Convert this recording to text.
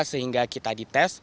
sehingga kita dites